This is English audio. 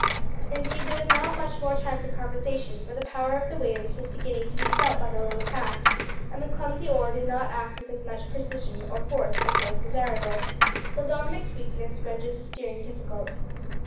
Indeed, there was not much more time for conversation, for the power of the waves was beginning to be felt by the little craft, and the clumsy oar did not act with as much precision or force as was desirable, while Dominick's weakness rendered the steering difficult.